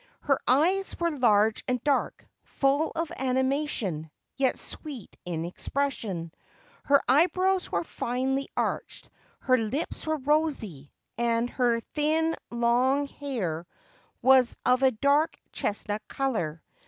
Her eyes were large and dark, full of animation, yet sweet in expression; her eyebrows were finely arched; her lips were rosy; and her thin, long hair was of a dark chestnut color.